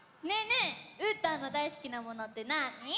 えうーたんのだいすきなものってなあに？